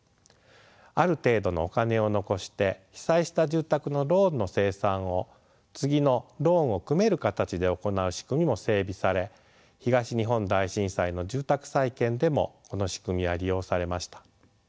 ある程度のお金を残して被災した住宅のローンの清算を次のローンを組める形で行う仕組みも整備され東日本大震災の住宅再建でもこの仕組みは利用されました。